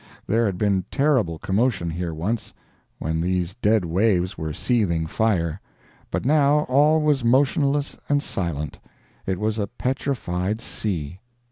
There had been terrible commotion here once, when these dead waves were seething fire; but now all was motionless and silent—it was a petrified sea!